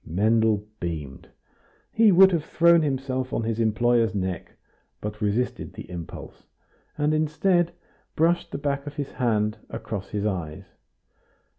Mendel beamed. He would have thrown himself on his employer's neck, but resisted the impulse, and, instead, brushed the back of his hand across his eyes.